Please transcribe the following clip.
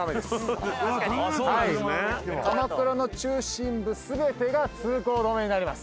鎌倉の中心部全てが通行止めになります。